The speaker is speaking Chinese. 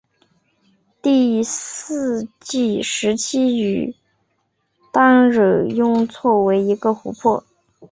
第四纪时期与当惹雍错为一个湖泊。